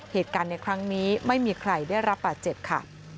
เหตุการณ์ในครั้งนี้ไม่มีใครได้รับบาดเจ็บค่ะ